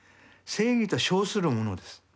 正義と称するものです。